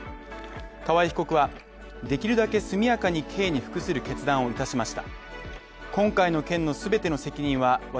河井被告は、できるだけ速やかに刑に服する決断をいたしました。